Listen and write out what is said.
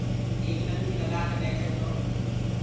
ايڪ لڪڙيٚ لگآ ڪي ٻيٺج تو